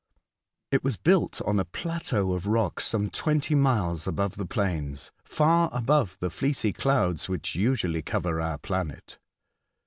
It was built on a plateau of rock some twenty miles above the plains, far above the fleecy clouds which usually cover our planet.